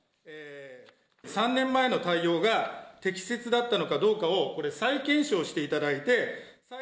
３年前の対応が適切だったのかどうかをこれ、再検証していただいて。